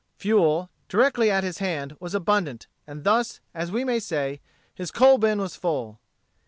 Fuel, directly at his hand, was abundant, and thus, as we may say, his coal bin was full.